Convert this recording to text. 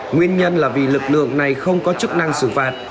nguyên nhân là vì lực lượng này không có chức năng xử phạt